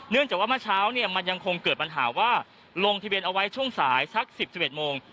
จากว่าเมื่อเช้าเนี่ยมันยังคงเกิดปัญหาว่าลงทะเบียนเอาไว้ช่วงสายสัก๑๐๑๑โมง